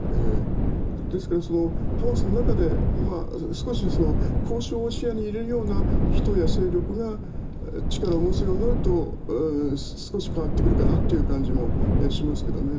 ですから、ハマスの中で少し交渉を視野に入れるような人や勢力が力を持つようになると少し変わってくるかなという感じもします。